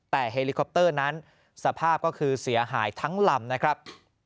แต่เฮลิคอปเตอร์นั้นสภาพก็คือเสียหายทั้งลำนะครับ